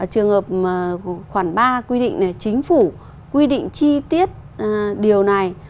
trường hợp khoảng ba quy định này chính phủ quy định chi tiết điều này